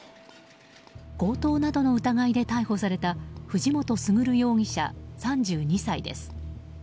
強盗などの疑いで逮捕された藤本傑容疑者、３２歳です。